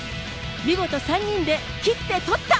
見事、３人で切って取った。